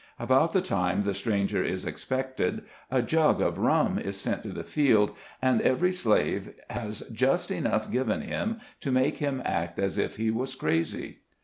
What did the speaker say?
About the time the stranger is expected, a jug of rum is sent to the field, and every 162 SKETCHES OF SLAVE LIFE. slave has just enough given him to make him act as if he was crazy.